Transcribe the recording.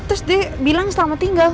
terus dia bilang selamat tinggal